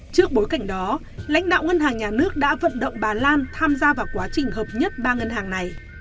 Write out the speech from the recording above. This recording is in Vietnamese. trước bối cảnh đó lãnh đạo ngân hàng nhà nước đã vận động bà lan tham gia vào quá trình hợp nhất ba ngân hàng này